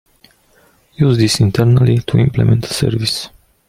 Use this internally to implement a service.